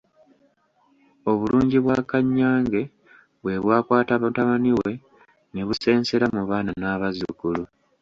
Obulungi bwa Kannyange bwe bwakwata mutabani we ne busensera mu baana n'abazzukulu.